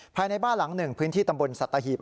ภายในบ้านหลังหนึ่งพื้นที่ตำบลสัตหีบ